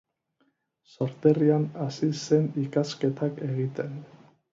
Sorterrian hasi zen ikasketak egiten.